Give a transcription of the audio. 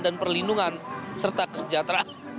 dan perlindungan serta kesejahteraan